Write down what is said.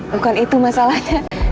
bukan itu masalahnya